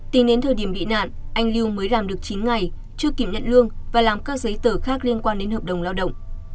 tính đến thời điểm bị nạn anh lưu mới làm được chín ngày chưa kiểm nhận lương và làm các giấy tờ khác liên quan đến hợp đồng lao động